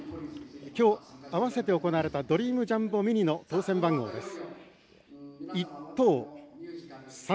きょう、あわせて行われたドリームジャンボミニの当せん番号です。